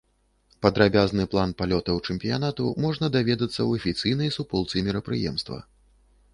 Падрабязны план палётаў чэмпіянату можна даведацца ў афіцыйнай суполцы мерапрыемства.